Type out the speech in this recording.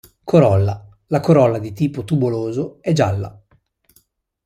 Corolla: la corolla di tipo tubuloso è gialla.